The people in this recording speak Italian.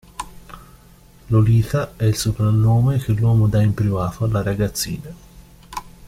Lolita è il soprannome che l'uomo dà in privato alla ragazzina.